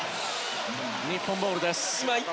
日本ボールです。